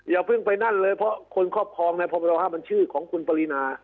อย่าเพิ่งไปนั่นเลยเพราะคนครอบครองในพบ๕บัญชื่อของคุณปรินา